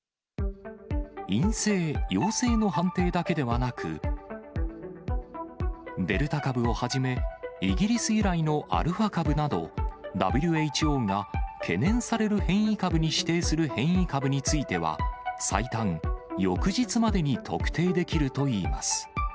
陰性、陽性の判定だけではなく、デルタ株をはじめ、イギリス由来のアルファ株など、ＷＨＯが懸念される変異株に指定する変異株については、最短翌日までに特定できるといいます。